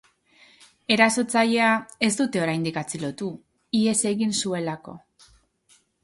Erasotzailea ez dute oraindik atxilotu, ihes egin zuelako.